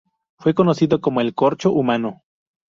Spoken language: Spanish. Fue conocido como el 'corcho humano'.